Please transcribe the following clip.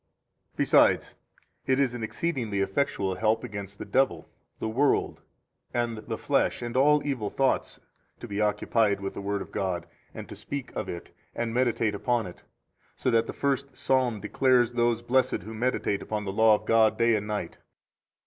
10 Besides, it is an exceedingly effectual help against the devil, the world, and the flesh and all evil thoughts to be occupied with the Word of God, and to speak of it, and meditate upon it, so that the First Psalm declares those blessed who meditate upon the Law of God day and night.